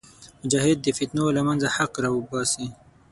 مجاهد د فتنو له منځه حق راوباسي.